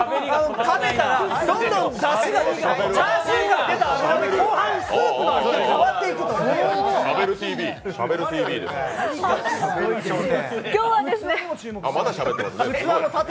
食べたらどんどんだしが出てチャーシューから出た脂で後半スープの味がまだしゃべってますね。